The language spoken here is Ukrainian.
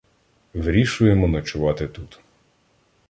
Вирішуємо ночувати тут.